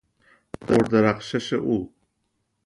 پر درخشش او